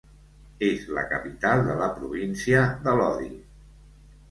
És la capital de la província de Lodi.